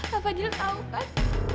kak fadil tahu kan